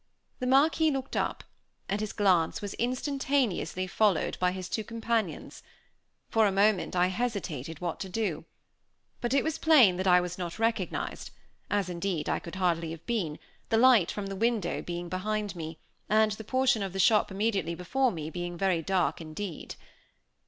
The Marquis looked up, and his glance was instantaneously followed by his two companions. For a moment I hesitated what to do. But it was plain that I was not recognized, as indeed I could hardly have been, the light from the window being behind me, and the portion of the shop immediately before me being very dark indeed.